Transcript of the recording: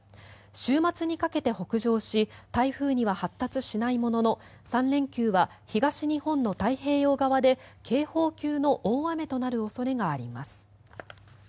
週末にかけて北上し台風には発達しないものの３連休は東日本の太平洋側で警報級の大雨となる恐れがあります。